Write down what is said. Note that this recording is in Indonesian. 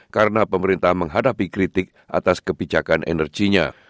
karena pemerintah menghadapi kritik atas kebijakan energinya